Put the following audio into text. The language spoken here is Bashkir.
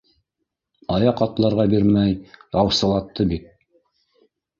Аяҡ атларға бирмәй яусылатты бит.